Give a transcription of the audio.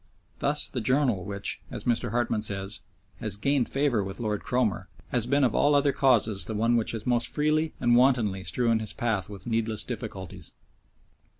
Thus the journal which, as Mr. Hartmann says, has "gained favour with Lord Cromer," has been of all other causes the one which has most freely and wantonly strewn his path with needless difficulties.